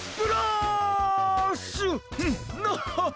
ナハハハ！